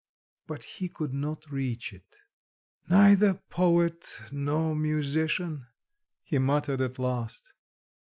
but he could not reach it. "Neither poet nor musician!" he muttered at last...